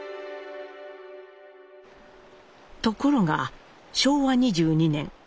ところが昭和２２年。